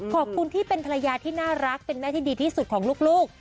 ขอบคุณที่เป็นภรรยาที่น่ารักเป็นแม่ที่ดีที่สุดของลูก